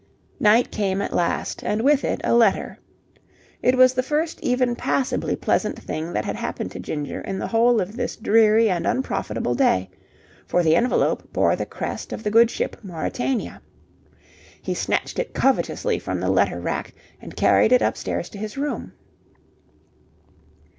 Night came at last, and with it a letter. It was the first even passably pleasant thing that had happened to Ginger in the whole of this dreary and unprofitable day: for the envelope bore the crest of the good ship Mauretania. He snatched it covetously from the letter rack, and carried it upstairs to his room.